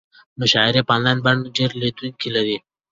مشاعرې په انلاین بڼه ډېر لیدونکي لري.